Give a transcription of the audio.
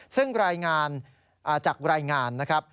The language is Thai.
ซึ่งรายงานจากรายงานนะครับ